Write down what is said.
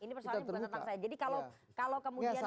jadi persoalannya bukan tentang saya